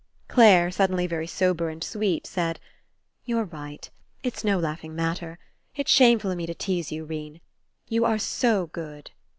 Clare, suddenly very sober and sweet, said: "You're right. It's no laughing matter. It's shameful of me to tease you, 'Rene. You are so good."